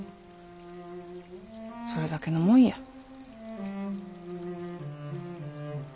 それだけのもんや。